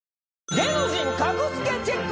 芸能人格付けチェック！